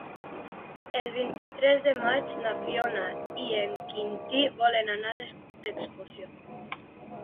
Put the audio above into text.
El vint-i-tres de maig na Fiona i en Quintí volen anar d'excursió.